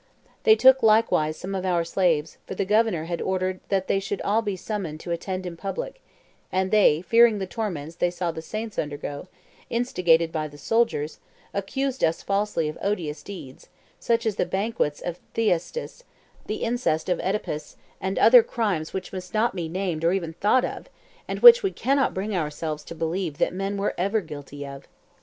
They took, likewise, some of our slaves, for the governor had ordered that they should be all summoned to attend in public; and they, fearing the torments they saw the saints undergo, and instigated by the soldiers, accused us falsely of odious deeds, such as the banquet of Thyestes, the incest of OEdipus, and other crimes which must not be named or even thought of, and which we cannot bring ourselves to believe that men were ever guilty of.